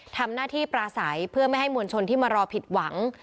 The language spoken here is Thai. ทำหน้าที่ปราศัยเพื่อไม่ให้มวลชนที่มารอผิดหวัง